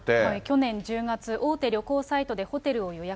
去年１０月、大手旅行サイトでホテルを予約。